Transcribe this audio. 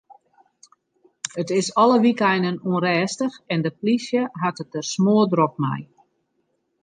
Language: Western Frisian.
It is alle wykeinen ûnrêstich en de polysje hat it der smoardrok mei.